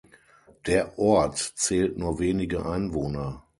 Der Ort zählt nur wenige Einwohner.